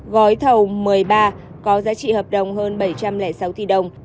gói thầu một mươi ba có giá trị hợp đồng hơn bảy trăm linh sáu tỷ đồng